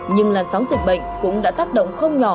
nhưng làn sóng dịch bệnh cũng đã tác động không nhỏ